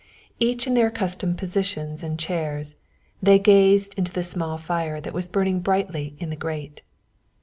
Each in their accustomed positions and chairs they gazed into the small fire that was burning brightly in the grate.